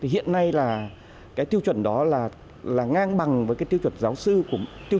hiện nay tiêu chuẩn đó là ngang bằng với tiêu chuẩn giáo sư